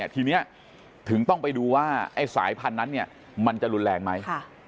ทีนี้ถึงต้องไปดูว่าไอ้สายพันธุ์นั้นมันจะรุนแรงไหม